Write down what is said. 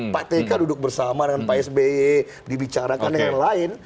pak tk duduk bersama dengan pak sby dibicarakan dengan lain